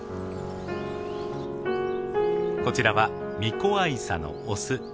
こちらはミコアイサのオス。